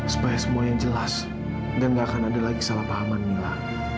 supaya semuanya jelas dan gak akan ada lagi salah pahaman mila